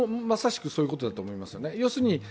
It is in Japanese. まさしくそういうことだと思います。